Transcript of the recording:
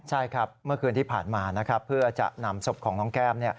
ใช่ครับเมื่อคืนที่ผ่านมานะครับเพื่อจะนำศพของน้องแก้ม